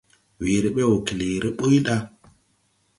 Weere be wɔ këleere buy da.